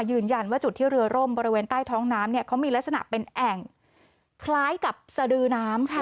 ยืนยันว่าจุดที่เรือร่มบริเวณใต้ท้องน้ำเนี่ยเขามีลักษณะเป็นแอ่งคล้ายกับสดือน้ำค่ะ